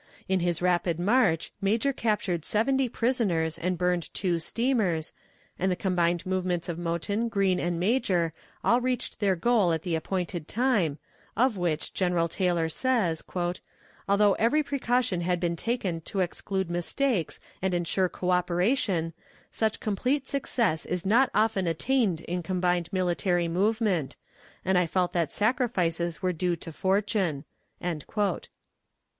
In his rapid march. Major captured seventy prisoners and burned two steamers, and the combined movements of Mouton, Green, and Major, all reached their goal at the appointed time, of which General Taylor says: "Although every precaution had been taken to exclude mistakes and insure coöperation, such complete success is not often attained in combined military movement; and I felt that sacrifices were due to fortune."